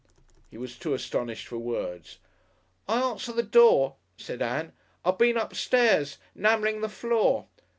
He was too astonished for words. "I answered the door," said Ann; "I'd been upstairs 'namelling the floor.